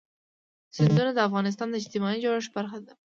سیندونه د افغانستان د اجتماعي جوړښت برخه ده.